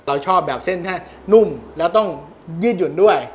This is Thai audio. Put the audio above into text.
ชอบแบบเส้นให้นุ่มแล้วต้องยืดหยุ่นด้วย